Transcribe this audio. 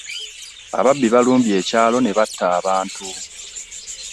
Ababbi balumbye ekyalo n'ebatta abantu.